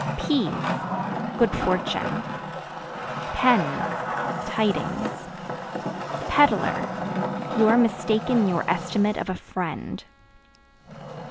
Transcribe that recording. Peas Good fortune. Pens Tidings. Peddler You are mistaken in your estimate of a friend.